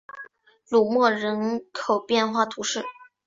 卢莫人口变化图示